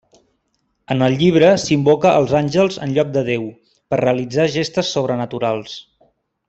En el llibre s'invoca als àngels en lloc de Déu, per realitzar gestes sobrenaturals.